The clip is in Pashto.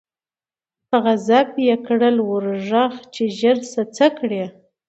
په غضب یې کړه ور ږغ چي ژر سه څه کړې